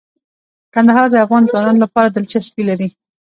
کندهار د افغان ځوانانو لپاره دلچسپي لري.